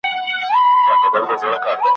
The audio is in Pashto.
پر حافظه برید کوي